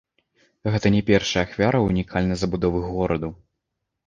Гэта не першая ахвяра ўнікальнай забудовы гораду.